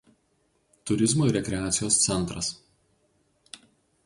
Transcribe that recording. Turizmo ir rekreacijos centras.